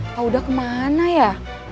kau udah kemana ya